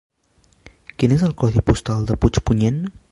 Quin és el codi postal de Puigpunyent?